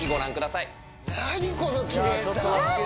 何、このきれいさ。